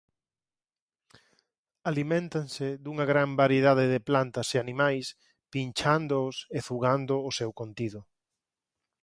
Aliméntanse dunha gran variedade de plantas e animais pinchándoos e zugando o seu contido.